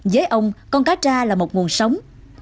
với ông con cá cha là một nguồn sống